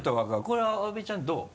これは阿部ちゃんどう？